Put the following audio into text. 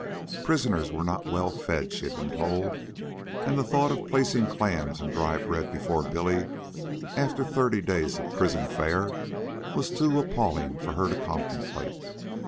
Prisoners were not well fed, she had been told; and the thought of placing clams and dry bread before Billy, after thirty days of prison fare, was too appalling for her to contemplate.